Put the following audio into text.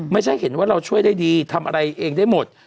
ไม่ใช่เห็นว่าเราช่วยได้ดีทำอะไรเองได้หมด